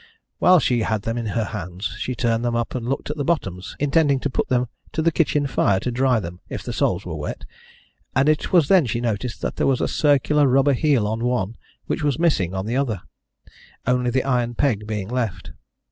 While she had them in her hands she turned them up and looked at the bottoms, intending to put them to the kitchen fire to dry them if the soles were wet, and it was then she noticed that there was a circular rubber heel on one which was missing on the other only the iron peg being left.